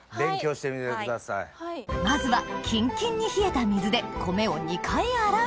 まずはキンキンに冷えた水で米を２回洗う